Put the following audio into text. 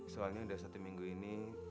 soalnya sudah satu minggu ini